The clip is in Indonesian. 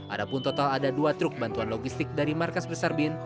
adapun total ada dua truk bantuan logistik dari markas besar bin